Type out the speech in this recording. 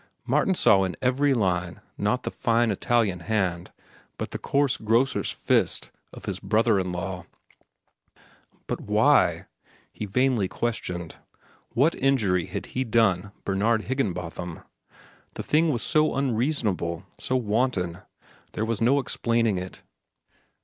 Martin saw in every line, not the fine Italian hand, but the coarse grocer's fist, of his brother in law. But why? he vainly questioned. What injury had he done Bernard Higginbotham? The thing was so unreasonable, so wanton. There was no explaining it.